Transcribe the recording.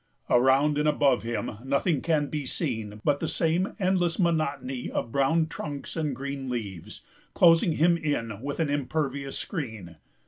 Around and above him nothing can be seen but the same endless monotony of brown trunks and green leaves, closing him in with an impervious screen.